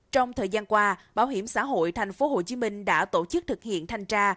trong thời gian qua bảo hiểm xã hội thành phố hồ chí minh đã tổ chức thực hiện thanh tra